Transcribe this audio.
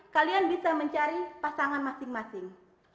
kalian bisa mencari pasangan masing masing